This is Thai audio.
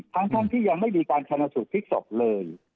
ทั้งที่ยังไม่มีการธนสูตรภิกษกษ์เลย